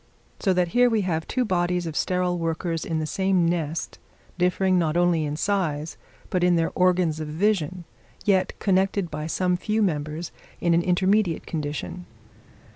So that here we have two bodies of sterile workers in the same nest, differing not only in size, but in their organs of vision, yet connected by some few members in an intermediate condition.